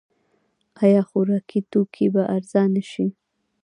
آیا خوراکي توکي به ارزانه شي؟